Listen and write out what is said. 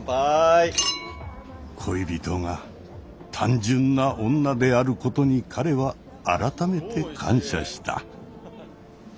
恋人が単純な女であることに彼は改めて感謝した。